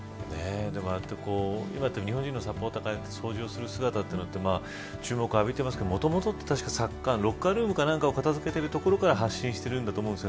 ああやって日本人のサポーターが掃除をする姿は注目を浴びていますがもともとはサッカーのロッカールームか何かを片付けてるところから発信してると思います。